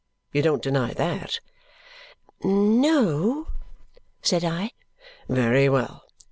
You don't deny that?" "No," said I. "Very well!